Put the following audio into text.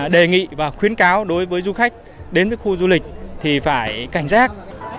đề nghị và khuyến cáo đối với du khách đến với khu du lịch thì phải cảnh giác